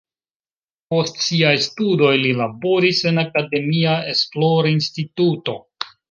Post siaj studoj li laboris en akademia esplorinstituto.